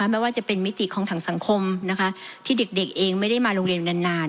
ไม่ว่าจะเป็นมิติของทางสังคมนะคะที่เด็กเองไม่ได้มาโรงเรียนนาน